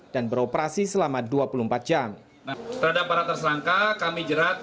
dan beroperasi selama dua puluh empat jam